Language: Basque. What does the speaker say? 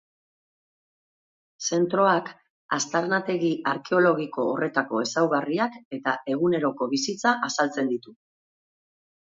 Zentroak aztarnategi arkeologiko horretako ezaugarriak eta eguneroko bizitza azaltzen ditu.